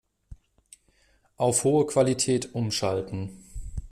Auf hohe Qualität umschalten.